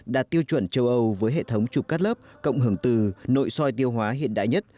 đạt tiêu chuẩn châu âu với hệ thống chụp cắt lớp cộng hưởng từ nội soi tiêu hóa hiện đại nhất